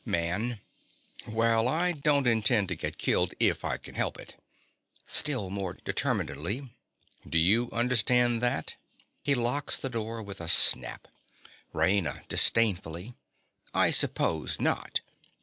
MAN. Well, I don't intend to get killed if I can help it. (Still more determinedly.) Do you understand that? (He locks the door with a snap.) RAINA. (disdainfully). I suppose not.